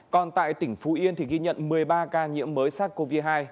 còn tại tỉnh phú yên ghi nhận một mươi ba ca nhiễm mới sát covid hai